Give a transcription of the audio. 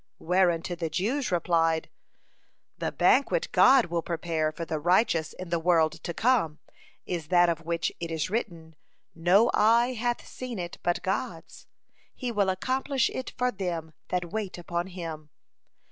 Whereunto the Jews replied: "The banquet God will prepare for the righteous in the world to come is that of which it is written, 'No eye hath seen it but God's; He will accomplish it for them that wait upon Him.'